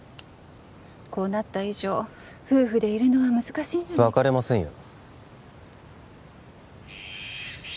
こうなった以上夫婦でいるのは難しいんじゃ別れませんよ